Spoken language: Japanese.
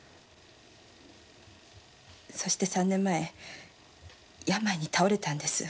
そして三年前病に倒れたんです。